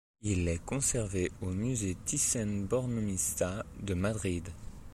Il est conservé au musée Thyssen-Bornemisza de Madrid.